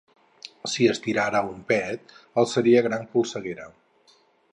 Si es tirara un pet, alçaria gran polseguera.